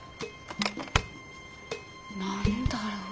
何だろう。